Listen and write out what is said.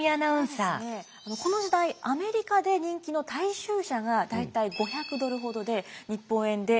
これですねこの時代アメリカで人気の大衆車が大体５００ドルほどで日本円で３００万円でした。